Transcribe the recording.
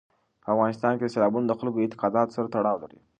په افغانستان کې سیلابونه د خلکو د اعتقاداتو سره تړاو لري.